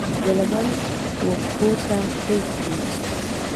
د لمر وپښوته توی کړي